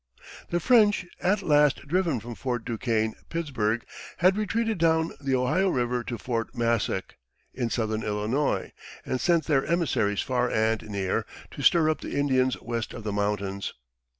The French, at last driven from Fort Duquesne (Pittsburg), had retreated down the Ohio River to Fort Massac, in southern Illinois, and sent their emissaries far and near to stir up the Indians west of the mountains.